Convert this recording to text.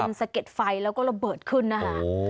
มันสะเก็ดไฟแล้วก็ระเบิดขึ้นนะคะ